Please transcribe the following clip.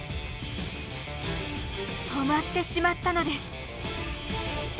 止まってしまったのです。